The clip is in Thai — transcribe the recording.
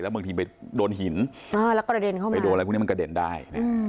แล้วบางทีไปโดนหินไปโดนอะไรพวกนี้มันกระเด็นได้